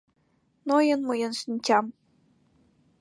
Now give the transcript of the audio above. Ноен мыйын шинчам.